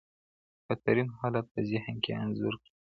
بدترین حالت په ذهن کي انځور کړئ.